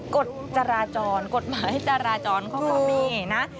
กฎจราจรกฎหมายจราจรของเขาแบบนี้นะ